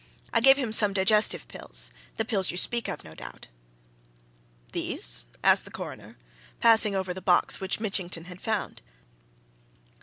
I gave him some digestive pills the pills you speak of, no doubt." "These?" asked the Coroner, passing over the box which Mitchington had found.